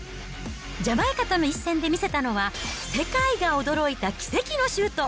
ジャマイカとの一戦で見せたのは、世界が驚いた奇跡のシュート！